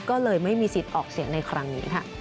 ก็เลยไม่มีสิทธิ์ออกเสียงในครั้งนี้ค่ะ